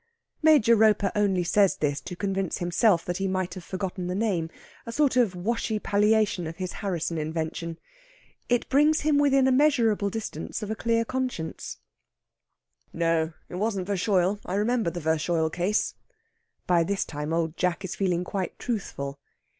Major Roper only says this to convince himself that he might have forgotten the name a sort of washy palliation of his Harrisson invention. It brings him within a measurable distance of a clear conscience. "No, it wasn't Verschoyle. I remember the Verschoyle case." By this time Old Jack is feeling quite truthful.